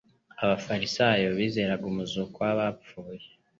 Abafarisayo bizeraga umuzuko w’abapfuye